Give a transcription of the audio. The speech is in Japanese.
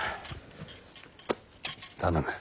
頼む。